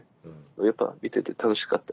やっぱ見てて楽しかったりしてね